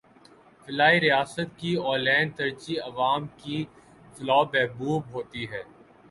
فلاحی ریاست کی اولین ترجیح عوام کی فلاح و بہبود ہوتی ہے